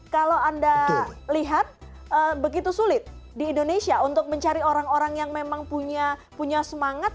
kalau anda lihat begitu sulit di indonesia untuk mencari orang orang yang memang punya semangat